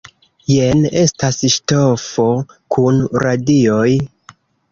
Jen estas ŝtofo kun radioj!